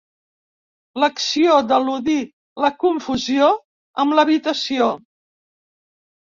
L'acció d'eludir la confusió amb l'habitació.